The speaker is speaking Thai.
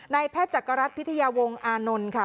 ในแพทย์จักรรัฐพิทยาโวงอนค่ะ